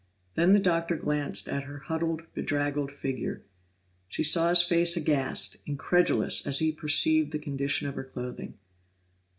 Then the Doctor glanced at her huddled, bedraggled figure; she saw his face aghast, incredulous, as he perceived the condition of her clothing.